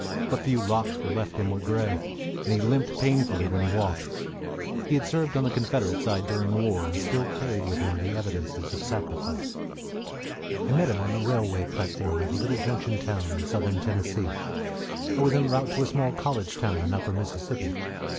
What few locks were left him were gray, and he limped painfully when he walked. He had served on the Confederate side during the war, and still carried with him the evidences of sacrifice. I met him on the railway platform at a little junction town in Southern Tennessee. I was en route to a small college town in Upper Mississippi.